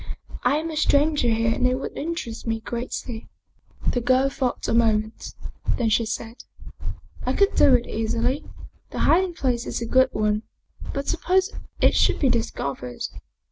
I am a stranger here and it would interest me greatly." The girl thought a moment. Then she said, " I could do it easily the hiding place is a good one but suppose it should be discovered?"